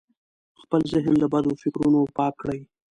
خپل ذهن له بدو فکرونو پاک کړئ.